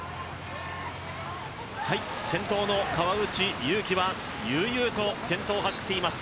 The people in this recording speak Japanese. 先頭の川内優輝は悠々と先頭を走っています。